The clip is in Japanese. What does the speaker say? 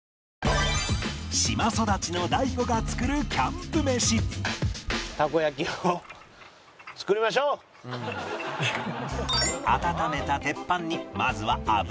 島育ちの大悟が作るキャンプ飯温めた鉄板にまずは油を